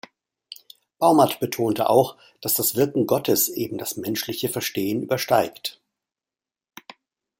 Baumert betonte auch, dass das Wirken Gottes eben das menschliche Verstehen übersteigt.